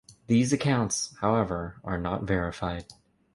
These accounts, however, are not verified.